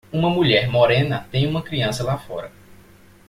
Uma mulher morena tem uma criança lá fora.